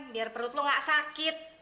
biar perut lo gak sakit